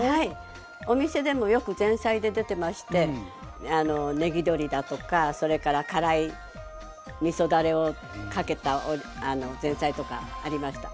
お店でもよく前菜で出てましてねぎ鶏だとかそれから辛いみそだれをかけた前菜とかありました。